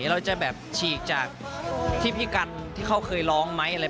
เราจะแบบฉีกจากที่พี่กันที่เขาเคยร้องไหมอะไร